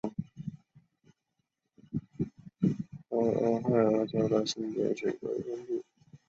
而俄亥俄州的星点水龟分布却占有国家总数量的三分之二。